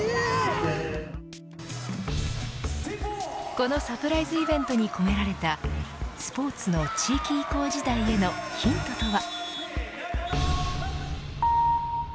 このサプライズイベントに込められたスポーツの地域移行時代へのヒントとは。